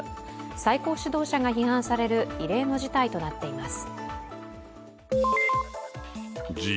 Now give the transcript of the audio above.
最高指導者が批判される異例の事態となっています。